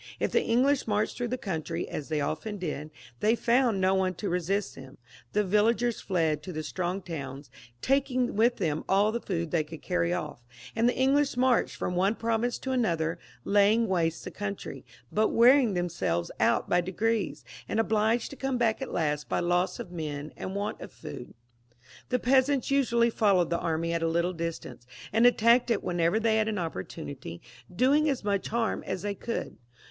If the English marched through the country, as they often did, they found no one to resist them ; the villagers fled to the strong towns, taking with them all the food they could carry off, and the English marched from one province to another, laying waste the country, but wearing themselves out by degrees, and obliged to come back at last by loss of men and want of food. The pea sants usually followed the army at a little distance, and attacked it whenever they had an opportunity, doing as much harm as they could.